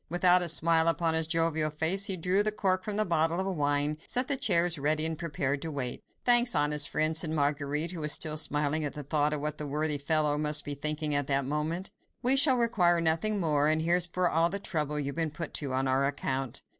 Without a smile upon his jovial face, he drew the cork from the bottle of wine, set the chairs ready, and prepared to wait. "Thanks, honest friend," said Marguerite, who was still smiling at the thought of what the worthy fellow must be thinking at that very moment, "we shall require nothing more; and here's for all the trouble you have been put to on our account."